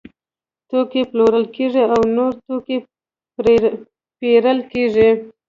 توکي پلورل کیږي او نور توکي پیرل کیږي.